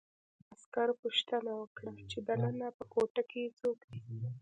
عسکر پوښتنه وکړه چې دننه په کوټه کې څوک دي